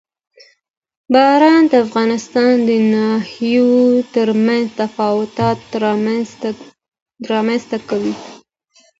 باران د افغانستان د ناحیو ترمنځ تفاوتونه رامنځ ته کوي.